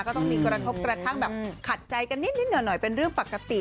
ก็ต้องมีกระทบกระทั่งแบบขัดใจกันนิดหน่อยเป็นเรื่องปกติ